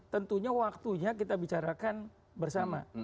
tentunya waktunya kita bicarakan bersama